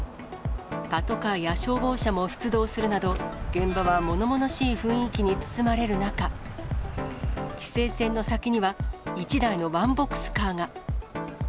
パトカーや消防車も出動するなど、現場はものものしい雰囲気に包まれる中、規制線の先には、１台のワンボックスカーが。